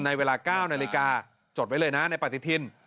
ในเวลา๙นาฬิกาจดไว้เลยนะในปฏิทิน